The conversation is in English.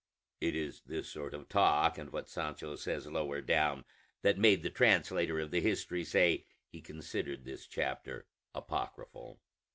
(It is this sort of talk, and what Sancho says lower down, that made the translator of the history say he considered this chapter apocryphal.)